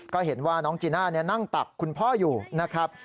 ก็เห็นว่าน้องจีน่านั่งตักคุณพ่ออยู่นะครับ